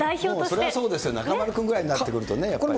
それはそうですよ、中丸君ぐらいになってくるとね、やっぱり。